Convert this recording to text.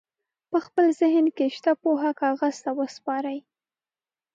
په خپل ذهن کې شته پوهه کاغذ ته وسپارئ.